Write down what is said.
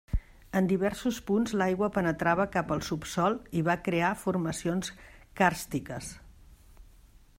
En diversos punts l'aigua penetrava cap al subsòl i va crear formacions càrstiques.